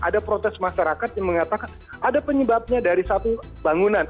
ada protes masyarakat yang mengatakan ada penyebabnya dari satu bangunan